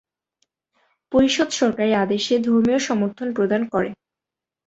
পরিষদ সরকারি আদেশে ধর্মীয় সমর্থন প্রদান করে।